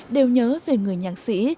đều nhớ về người nhạc sĩ